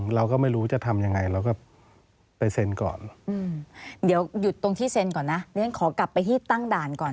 เราก็ไม่รู้จะทำยังไง